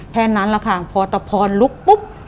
แค่นั้นแหละค่ะพอตะพรลุกปุ๊บ